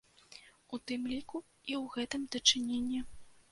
У тым ліку, і ў гэтым дачыненні.